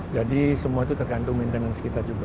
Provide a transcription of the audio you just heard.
jadi semua itu tergantung maintenance kita juga